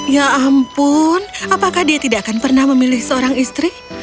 ya ampun apakah dia tidak akan pernah memilih seorang istri